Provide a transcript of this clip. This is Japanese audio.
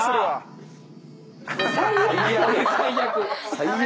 最悪！